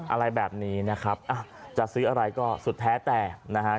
อะไรแบบนี้นะครับจะซื้ออะไรก็สุดแท้แต่นะฮะ